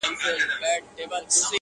بې نصيبه خواړه گران دي.